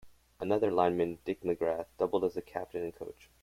Another lineman, Dick McGrath, doubled as captain and coach.